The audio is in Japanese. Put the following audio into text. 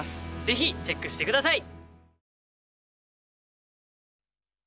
ぜひチェックして下さい！